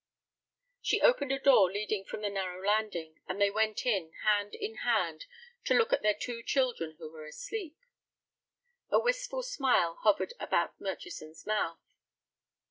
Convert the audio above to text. She opened a door leading from the narrow landing, and they went in, hand in hand, to look at their two children who were asleep. A wistful smile hovered about Murchison's mouth.